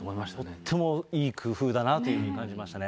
とってもいい工夫だなというふうに感じましたね。